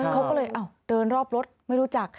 เขาก็เลยเดินรอบรถไม่รู้จัก